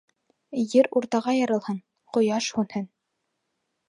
Ер уртаға ярылһын, ҡояш һүнһен!